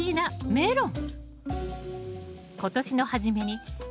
メロン！